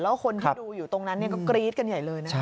แล้วคนที่ดูอยู่ตรงนั้นก็กรี๊ดกันใหญ่เลยนะ